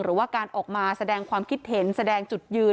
หรือว่าการออกมาแสดงความคิดเห็นแสดงจุดยืน